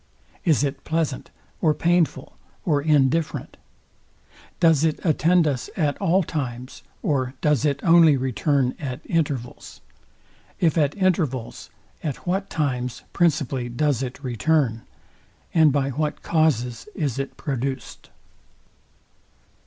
Is it pleasant, or painful, or indifferent? I Does it attend us at all times, or does it only return at intervals? If at intervals, at what times principally does it return, and by what causes is it produced?